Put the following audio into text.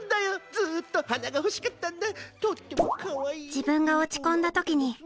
ずっと鼻が欲しかったんだ！